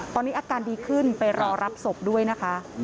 ตอนนี้อาการดีขึ้นไปรอรับศพด้วยนะคะ